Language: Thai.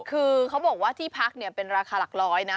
คือเขาบอกว่าที่พักเนี่ยเป็นราคาหลักร้อยนะ